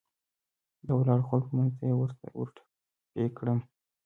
د ولاړو خلکو منځ ته یې ور ټېله کړم.